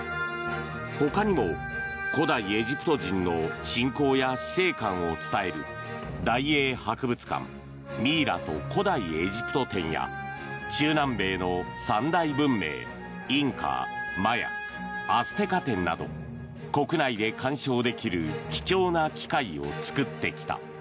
ほかにも古代エジプト人の信仰や死生観を伝える「大英博物館ミイラと古代エジプト展」や中南米の三大文明「インカ・マヤ・アステカ展」など国内で鑑賞できる貴重な機会を作ってきた。